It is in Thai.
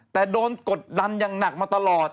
แต่โดนกดดันอย่างหนักมาตลอด